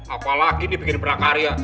apalagi dibikin prakarya